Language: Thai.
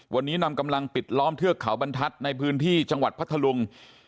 วันนี้นำกำลังปิดล้อมเทือกเขาบรรทัศน์ในพื้นที่จังหวัดพัทธลุง